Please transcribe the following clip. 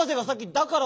「だから」